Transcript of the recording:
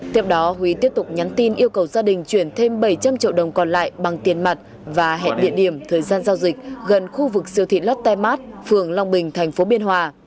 tiếp đó huy tiếp tục nhắn tin yêu cầu gia đình chuyển thêm bảy trăm linh triệu đồng còn lại bằng tiền mặt và hẹn địa điểm thời gian giao dịch gần khu vực siêu thị lotte mart phường long bình tp biên hòa